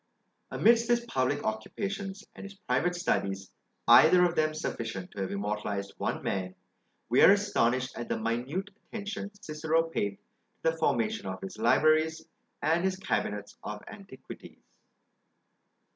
Amidst his public occupations and his private studies, either of them sufficient to have immortalised one man, we are astonished at the minute attention Cicero paid to the formation of his libraries and his cabinets of antiquities.